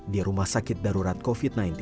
di rumah sakit darurat covid sembilan belas